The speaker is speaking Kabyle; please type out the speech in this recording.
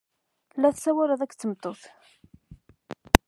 La tessawaled akked tmeṭṭut.